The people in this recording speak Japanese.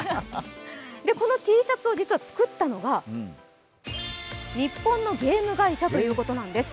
このＴシャツを作ったのは日本のゲーム会社ということなんです。